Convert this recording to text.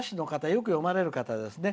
よく読まれる方ですね。